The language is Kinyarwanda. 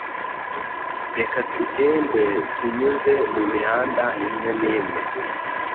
Reka tugendetunyuze mumihanda imwe nimwe